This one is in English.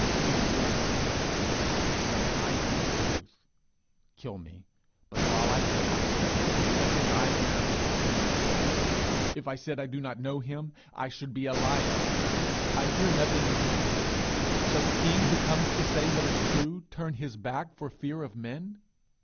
He is the truth, and I am the truth. Kill me, but while I live I say, Such as I am he is. If I said I did not know him, I should be a liar. I fear nothing you can do to me. Shall the king who comes to say what is true, turn his back for fear of men?